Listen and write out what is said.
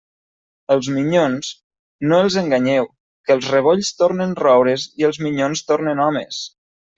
Els minyons, no els enganyeu, que els rebolls tornen roures i els minyons tornen homes.